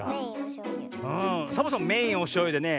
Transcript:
んサボさんメインはおしょうゆでね